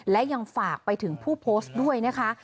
และยังฝากไปถึงผู้โพสต์ด้วยนะคะ